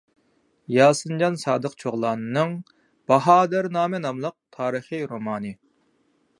ياسىنجان سادىق چوغلاننىڭ «باھادىرنامە» ناملىق تارىخىي رومانى